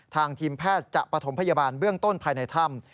ทีมแพทย์จะปฐมพยาบาลเบื้องต้นภายในถ้ำ